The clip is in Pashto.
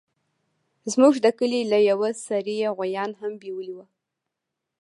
زموږ د کلي له يوه سړي يې غويان هم بيولي وو.